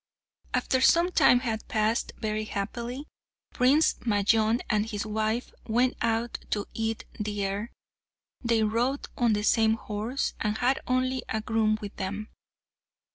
After some time had passed very happily, Prince Majnun and his wife went out to eat the air. They rode on the same horse, and had only a groom with them.